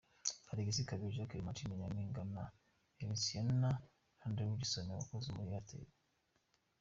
Alexis Kabeja, Clementine Nyampinga na Heritiana Randrianarison abakozi muri Airtel.